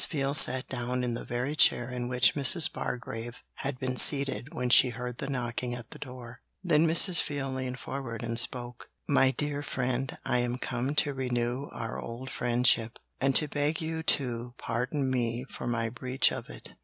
Veal sat down in the very chair in which Mrs. Bargrave had been seated when she heard the knocking at the door. Then Mrs. Veal leaned forward and spoke: 'My dear friend, I am come to renew our old friendship, and to beg you to pardon me for my breach of it.